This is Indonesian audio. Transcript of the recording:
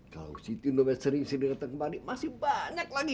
kalau siti novel sering datang kembali masih banyak lagi